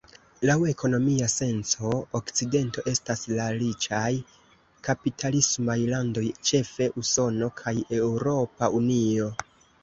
Laŭ ekonomia senco, Okcidento estas la riĉaj kapitalismaj landoj, ĉefe Usono kaj Eŭropa Unio.